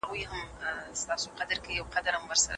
ناول د ټولنیز عدالت په اړه پوښتنې راپورته کوي.